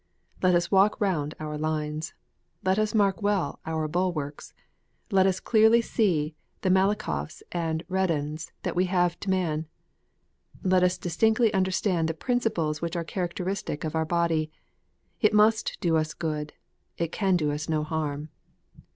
Let us walk round our lines. Let us mark well our bulwarks. Let us clearly see the Malakhoffs and Redans that we have to man. Let us distinctly understand the principles which are characteristic of our body. It must do us good ; it can do us no harm.